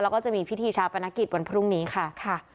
แล้วก็จะมีพิธีชาปนกิจวันพรุ่งนี้ค่ะ